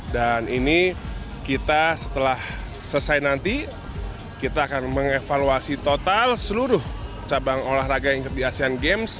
dan ini kita setelah selesai nanti kita akan mengevaluasi total seluruh cabang olahraga yang terdiri di asean games